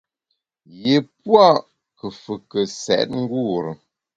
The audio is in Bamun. Yi pua’ nkùfùke sèt ngure.